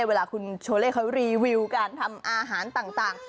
เวลาคุณโชเล่เขารีวิวการทำอาหารต่าง